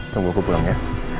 tunggu aku pulang ya